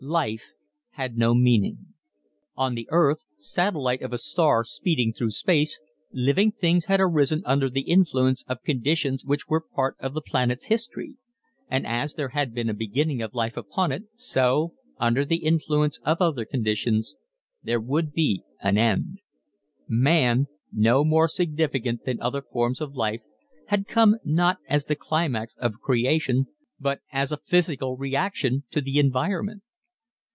Life had no meaning. On the earth, satellite of a star speeding through space, living things had arisen under the influence of conditions which were part of the planet's history; and as there had been a beginning of life upon it so, under the influence of other conditions, there would be an end: man, no more significant than other forms of life, had come not as the climax of creation but as a physical reaction to the environment.